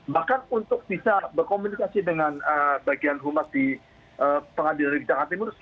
bahkan untuk bisa berkomunikasi dengan bagian humas di pengadilan negeri jakarta timur